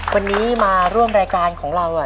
วันนี้มาร่วมรายการของเรา